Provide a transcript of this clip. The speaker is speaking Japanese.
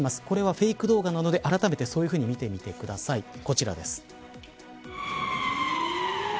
これはフェイク動画なのであらためて、そういうふうに見てみてください。